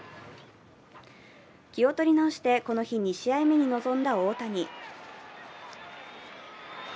気を取り直してこの日２試合目に臨んだ大谷。